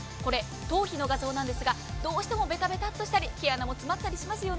頭皮の画像なんですがどうしてもべたべたとしたり毛穴も詰まったりしますよね。